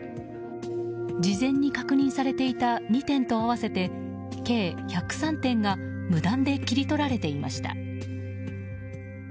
事前に確認されていた２点と合わせて計１０３点が無断で切り取られていました。